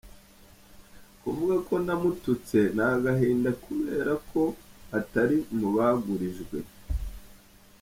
Kuvuga ko namututse ni agahinda kubera ko atari mu bagurijwe.